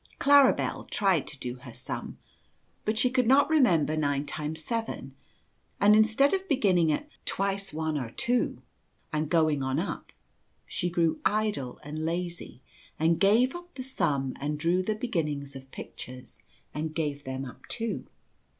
Claribel tried to do her sum, but she could not remember 9 times 7, and instead of beginning at " twice one are two " and going on up, she grew idle and Jazy and gave up the sum and drew the beginnings of pictures andgave them up too.